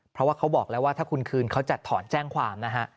เพราะว่าเขาบอกแล้วว่าถ้าคุณคืนเขาจะถอนแจ้งความนะฮะ